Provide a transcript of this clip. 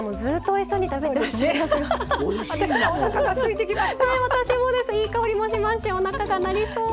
いい香りもしますしおなかが鳴りそう！